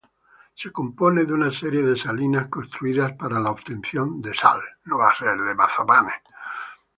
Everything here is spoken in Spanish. Se compone de una serie de salinas construidas para la obtención de sal.